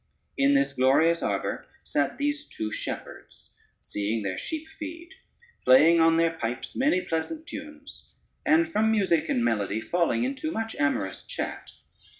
In this glorious arbor sat these two shepherds, seeing their sheep feed, playing on their pipes many pleasant tunes, and from music and melody falling into much amorous chat.